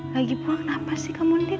lagi pulang kenapa sih kamu din